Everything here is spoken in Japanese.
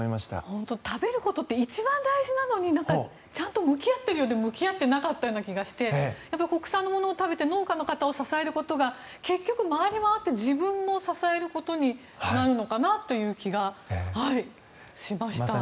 本当に、食べることって一番大事なのにちゃんと向き合っているようで向き合ってなかった気がして国産のものを食べて農家の方を支えることが結局回りまわって自分も支えることになるのかなという気がしました。